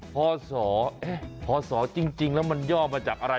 พศพศจริงแล้วมันย่อมาจากอะไร